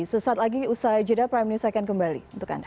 sesaat lagi usai jeda prime news akan kembali untuk anda